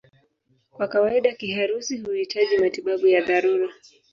Kwa kawaida kiharusi huhitaji matibabu ya dharura.